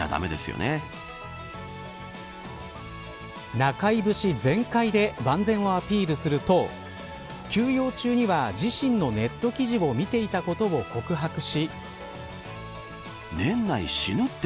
中居節全開で万全をアピールすると休養中には自身のネット記事を見ていたことを告白し。